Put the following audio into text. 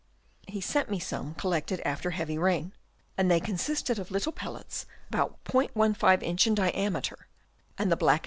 He sent me some collected after heavy rain, and they consisted of little pellets, about *15 inch in diameter ; and the blackened Chap.